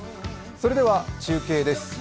それでは中継です。